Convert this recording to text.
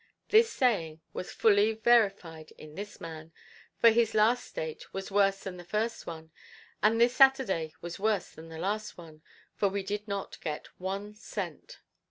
This saying was fully verified in this man, for his last state was worse than the first one, and this Saturday was worse than the last one, for we did not get one cent.